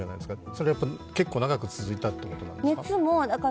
それは結構長く続いたということなんですか？